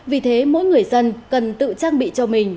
vì thế mỗi người dân cần tự trang bị cho mình